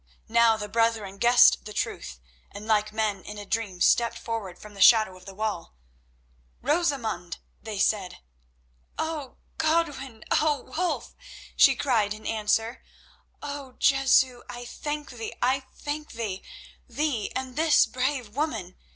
Now the brethren guessed the truth, and, like men in a dream, stepped forward from the shadow of the wall. "Rosamund!" they said. "Oh Godwin! oh Wulf!" she cried in answer. "Oh, Jesu, I thank Thee, I thank Thee—Thee, and this brave woman!"